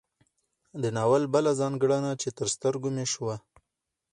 د ناول بله ځانګړنه چې تر سترګو مې شوه